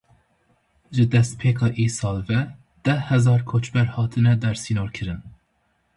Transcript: Ji destpêka îsal ve deh hezar koçber hatine dersînorkirin.